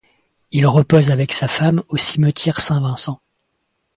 Il repose avec sa femme au cimetière Saint-Vincent.